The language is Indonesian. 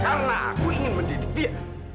karena aku ingin mendidik dia